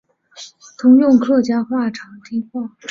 通用客家语长汀话。